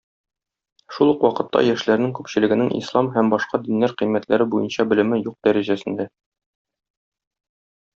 Шул ук вакытта яшьләрнең күпчелегенең ислам һәм башка диннәр кыйммәтләре буенча белеме юк дәрәҗәсендә.